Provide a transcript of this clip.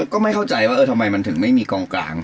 ก็ไม่เข้าใจว่าเออทำไมมันถึงไม่มีกองกลาง